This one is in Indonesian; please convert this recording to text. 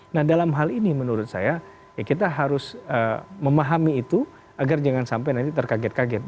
nah dalam hal ini menurut saya kita harus memahami itu agar jangan sampai nanti terkaget kaget